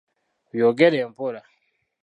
Byogere mpola!